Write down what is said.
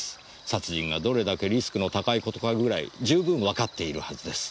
殺人がどれだけリスクの高いことかぐらい十分わかっているはずです。